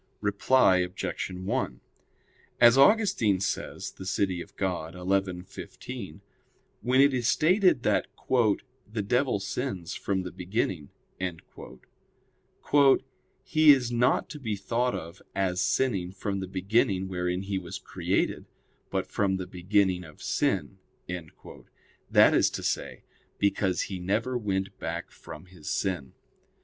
Reply Obj. 1: As Augustine says (De Civ. Dei xi, 15), when it is stated that "the devil sins from the beginning," "he is not to be thought of as sinning from the beginning wherein he was created, but from the beginning of sin": that is to say, because he never went back from his sin.